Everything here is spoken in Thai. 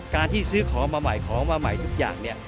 ที่ซื้อของมาใหม่ของมาใหม่ทุกอย่างเนี่ย